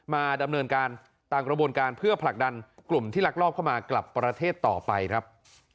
มาดำเนินการตามกระบวนการเพื่อผลักดันกลุ่มที่ลักลอบเข้ามากลับประเทศต่อไปครับ